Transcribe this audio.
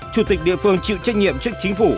chủ tịch địa phương chịu trách nhiệm trước chính phủ